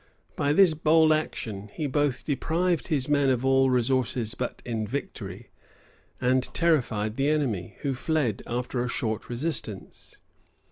By this bold action he both deprived his men of all resource but in victory, and terrified the enemy, who fled after a short resistance.